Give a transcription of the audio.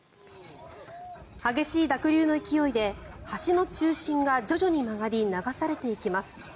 激しい濁流の勢いで橋の中心が徐々に曲がり流されていきます。